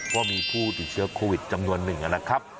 ว่ามีผู้ติดเชื้อโควิดจำนวนหนึ่งนะครับ